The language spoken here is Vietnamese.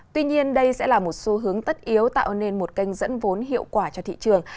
tuy nhiên đây sẽ là một xu hướng tất yếu tạo nên một kênh dẫn vốn hiệu quả cho thị trường